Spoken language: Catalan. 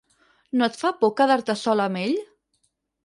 No et fa por quedar-te sola amb ell?